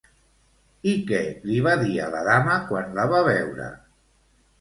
I què li va dir a la dama quan la va veure?